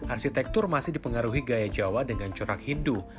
arsitektur masih dipengaruhi gaya jawa dengan corak hindu